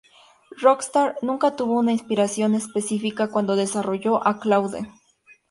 Rockstar nunca tuvo una inspiración específica cuando desarrolló a Claude.